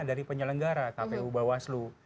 dari penyelenggara kpu bawaslu